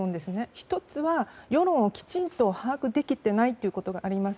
１つは世論をきちんと把握できていないことがあります。